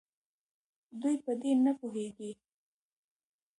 دوي په دې نپوهيږي